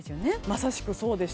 まさしくそうで。